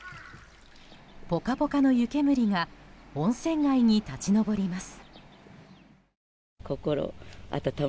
ポカポカの湯煙が温泉街に立ち上ります。